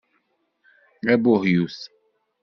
Abuhyut!